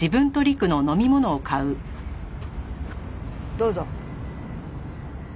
どうぞ。